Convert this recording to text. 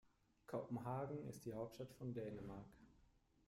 Kopenhagen ist die Hauptstadt von Dänemark.